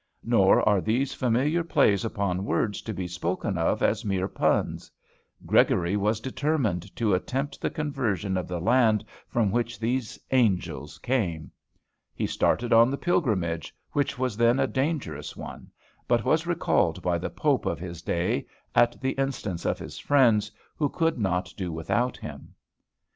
Nor are these familiar plays upon words to be spoken of as mere puns. Gregory was determined to attempt the conversion of the land from which these "angels" came. He started on the pilgrimage, which was then a dangerous one; but was recalled by the pope of his day, at the instance of his friends, who could not do without him.